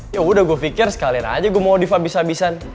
ya udah gue pikir sekalin aja gue modif abis abisan